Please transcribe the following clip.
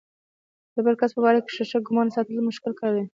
د بل کس په باره کې ښه ګمان ساتل مشکل کار دی.